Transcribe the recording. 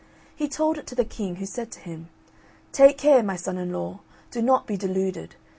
He told it to the King, who said to him, "Take care, my son in law; do not be deluded.